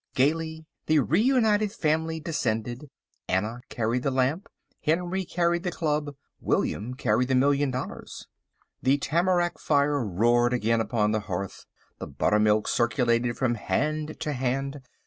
Gaily the reunited family descended. Anna carried the lamp, Henry carried the club. William carried the million dollars. The tamarack fire roared again upon the hearth. The buttermilk circulated from hand to hand.